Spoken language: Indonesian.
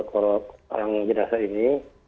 dari pihak keluarga yang jenazah ini